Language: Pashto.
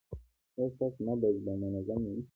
ایا ستاسو نبض به منظم نه وي؟